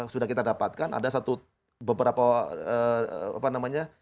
sudah kita dapatkan ada satu beberapa apa namanya